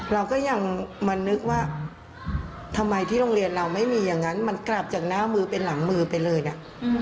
เราก็ยังมานึกว่าทำไมที่โรงเรียนเราไม่มีอย่างนั้นมันกลับจากหน้ามือเป็นหลังมือไปเลยนะ